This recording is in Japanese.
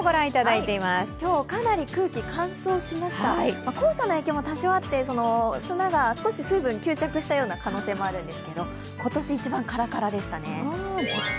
今日、かなり空気が乾燥しました黄砂の影響も多少あって、砂が少し水分を吸着したような可能性もあるんですけど、今年一番カラカラでした。